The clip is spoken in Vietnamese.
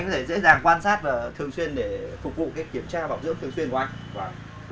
anh có thể dễ dàng quan sát thường xuyên để phục vụ kiểm tra bảo dưỡng thường xuyên của anh